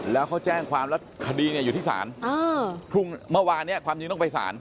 แล้วเขาแจ้งความแล้วคดีเนี่ยอยู่ที่ศาลพรุ่งเมื่อวานเนี่ยความจริงต้องไปสาร